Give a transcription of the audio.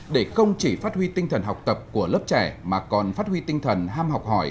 để không chỉ phát huy tinh thần học tập của lớp trẻ mà còn phát huy tinh thần ham học hỏi